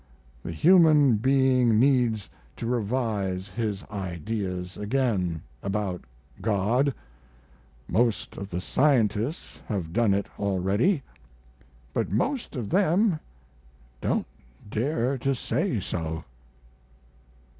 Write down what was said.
The human being needs to revise his ideas again about God. Most of the scientists have done it already; but most of them don't dare to say so."